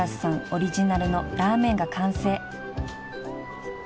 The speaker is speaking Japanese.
オリジナルのラーメンが完成］